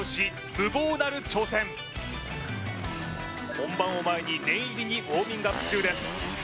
無謀なる挑戦本番を前に念入りにウォーミングアップ中です